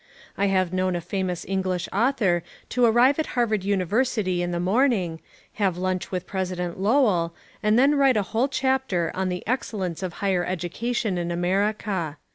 I have known a famous English author to arrive at Harvard University in the morning, have lunch with President Lowell, and then write a whole chapter on the Excellence of Higher Education in America.